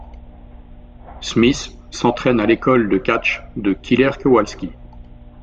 Smith s'entraîne à l'école de catch de Killer Kowalski.